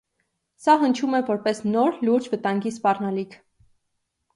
Սա հնչում է որպես նոր լուրջ վտանգի սպառնալիք։